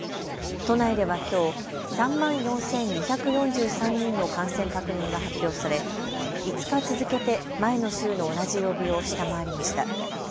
都内ではきょう３万４２４３人の感染確認が発表され５日続けて前の週の同じ曜日を下回りました。